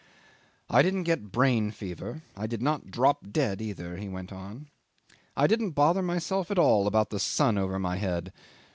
'"I didn't get brain fever, I did not drop dead either," he went on. "I didn't bother myself at all about the sun over my head.